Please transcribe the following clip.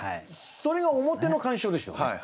それは表の鑑賞でしょうね。